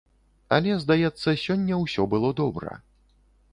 Але, здаецца, сёння ўсё было добра.